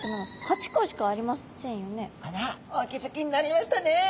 あらっお気付きになりましたね！